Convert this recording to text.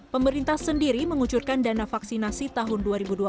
pemerintah sendiri mengucurkan dana vaksinasi tahun dua ribu dua puluh